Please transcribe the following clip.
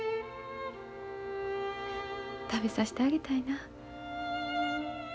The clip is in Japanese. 食べさしてあげたいな。